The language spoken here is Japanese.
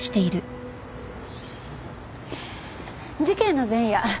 事件の前夜